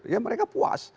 ya mereka puas